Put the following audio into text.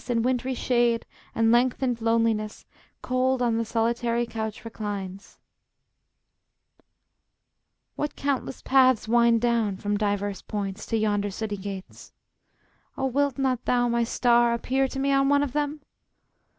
In wintry shade and lengthened loneliness Cold on the solitary couch reclines. [After a pause.] What countless paths wind down, from divers points, To yonder city gates! Oh, wilt not thou, My star, appear to me on one of them?